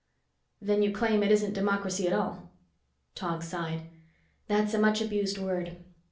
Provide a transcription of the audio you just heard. "Then you claim it isn't democracy at all?" Tog sighed. "That's a much abused word.